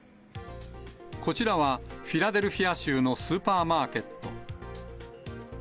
こちらは、フィラデルフィア州のスーパーマーケット。